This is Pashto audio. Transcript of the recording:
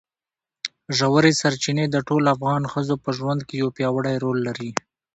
ژورې سرچینې د ټولو افغان ښځو په ژوند کې یو پیاوړی رول لري.